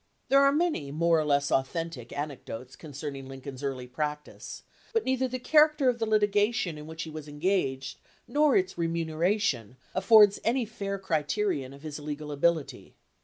There are many more or less authentic anec dotes concerning Lincoln's early practice, but neither the character of the litigation in which he was engaged nor its remuneration affords any fair criterion of his legal ability.